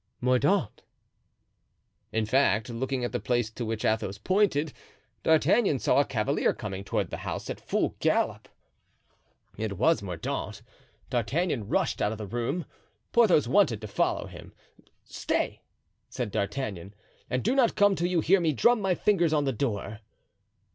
"Mordaunt." In fact, looking at the place to which Athos pointed, D'Artagnan saw a cavalier coming toward the house at full gallop. It was Mordaunt. D'Artagnan rushed out of the room. Porthos wanted to follow him. "Stay," said D'Artagnan, "and do not come till you hear me drum my fingers on the door."